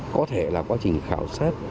có thể là quá trình khảo sát